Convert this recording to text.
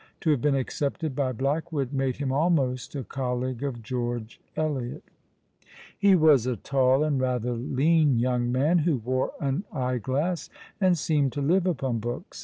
To have been accepted by Blackwood made him almost a colleague of George Eliot, He was a tall and rather lean young man, who wore an eye glass, and seemed to live upon books.